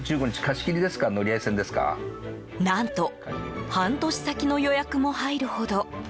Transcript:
何と半年先の予約も入るほど。